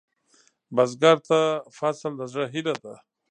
بزګر ته فصل د زړۀ هيله ده